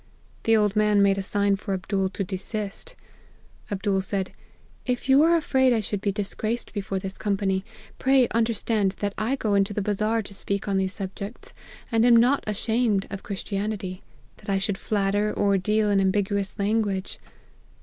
The old man made a sign for Abdool to desist. Abdool said, 4 If you are afraid 1 should be disgraced before this company, pray understand that I go into the Bazar to speak on these subjects, and am not ashamed of Christianity, that I should flatter, or deal in ambiguous language.'